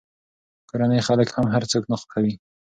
کورني خلک هم هر څوک نه خوښوي.